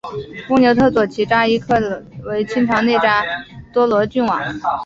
翁牛特左旗扎萨克多罗杜棱郡王为清朝内扎萨克蒙古翁牛特左旗的世袭扎萨克多罗郡王。